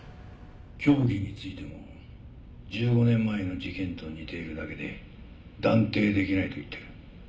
凶器についても１５年前の事件と似ているだけで断定できないと言ってる。